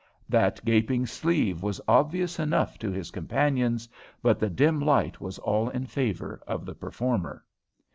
That gaping sleeve was obvious enough to his companions, but the dim light was all in favour of the performer.